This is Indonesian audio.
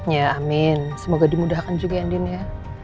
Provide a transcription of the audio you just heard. ya amin semoga dimudahkan juga ya andin ya